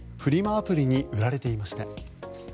アプリに売られていました。